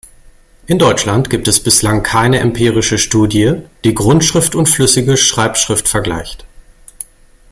In Deutschland gibt es bislang keine empirische Studie, die Grundschrift und flüssige Schreibschrift vergleicht.